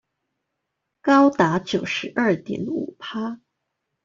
高達九十二點五趴